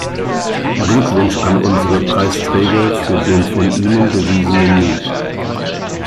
Glückwunsch an unsere Preisträger für den von ihnen bewiesenen Mut.